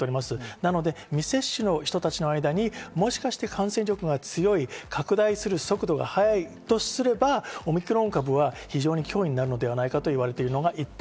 なので未接種の人たちの間に、もしかして感染力が強い、拡大する速度が速いとすれば、オミクロン株は非常に脅威になるのではないかと言われているのが一点。